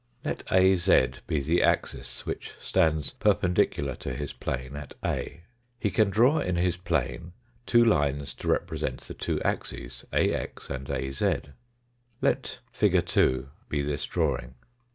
Let AZ be the axis, which stands perpendicular to his plane at A. He can draw in his plane two lines to represent the two axes, Ax and AZ. Let Fig. 2 be this draw ing.